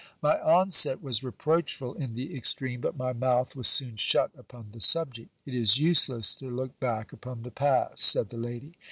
My onset was reproachful in the extreme, but my mouth was soon shut upon the subject. It is useless to look back upon the past, said the lady.